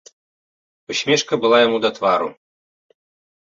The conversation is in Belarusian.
Усмешка была яму да твару.